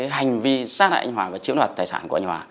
hành vi xác đại anh hòa và chiếm đoạt tài sản của anh hòa